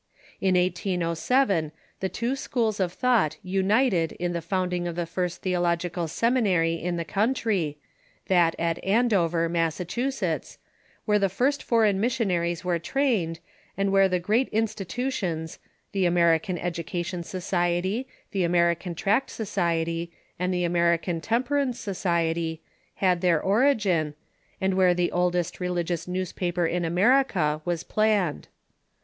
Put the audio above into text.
In 1807 the two schools of thought united in the founding of the first theological semi nary in the country, that at Andover, Massachusetts, where the first foreign missionaries were trained, and where the great insti tutions, the American Education Society, the American Tract Society, and the American Temperance Society, had their ori gin, and where the oldest religious newspaper in America was planned.